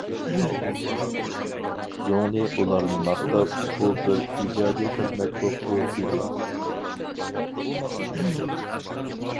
زۇڭلى ئۇلارنى ماختاپ، بۇ بىر ئىجادىي خىزمەت بوپتۇ، دېدى.